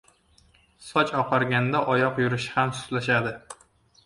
• Soch oqarganda oyoq yurishi ham sustlashadi.